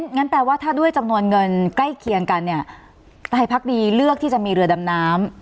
งั้นแปลว่าถ้าด้วยจำนวนเงินใกล้เคียงกันเนี่ยไทยพักดีเลือกที่จะมีเรือดำน้ำ